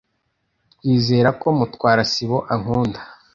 Twizera ko Mutwara sibo ankunda.